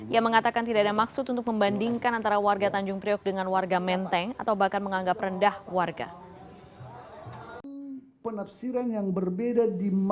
ia mengatakan tidak ada maksud untuk membandingkan antara warga tanjung priok dengan warga menteng atau bahkan menganggap rendah warga